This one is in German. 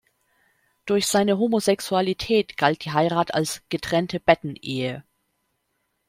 Durch seine Homosexualität galt die Heirat als "«Getrennte Betten-Ehe»".